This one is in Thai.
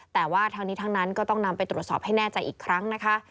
แต่ว่าทั้งนี้ทั้งนั้นก็ต้องนำไปตรวจสอบให้แน่ใจอีกครั้งนะคะ